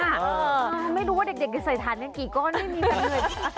ฉันไม่รู้ว่าเด็กกันใส่ถ่านอย่างกี่ก็ไม่มีประเภท